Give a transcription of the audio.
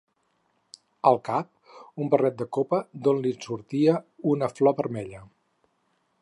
Al cap, un barret de copa d'on li'n sortia una flor vermella.